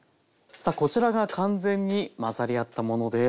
さあこちらが完全に混ざり合ったものです。